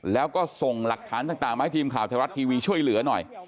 แล้วก็ส่งหลักฐานต่างมาให้ทีมข่าวไทยรัฐทีวีช่วยเหลือหน่อย